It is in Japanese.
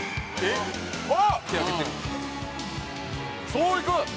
そういく？